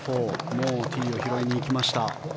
もうティーを拾いに行きました。